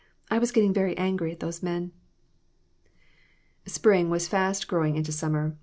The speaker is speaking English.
"I was getting very angry at those men." Spring was fast growing into summer.